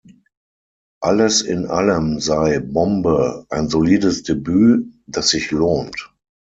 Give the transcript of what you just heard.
Alles in allem sei "Bombe" ein „"solides Debüt, das sich lohnt"“.